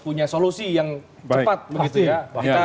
punya solusi yang cepat begitu ya